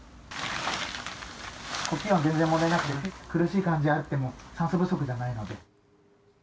呼吸は全然問題なくて、苦しい感じはあっても、酸素不足じゃないので。